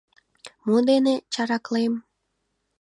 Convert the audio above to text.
Мо дене чараклем?